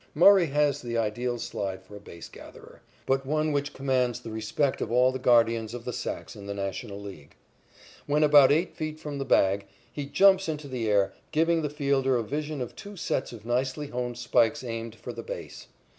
Murray has the ideal slide for a base gatherer, but one which commands the respect of all the guardians of the sacks in the National League. When about eight feet from the bag, he jumps into the air, giving the fielder a vision of two sets of nicely honed spikes aimed for the base.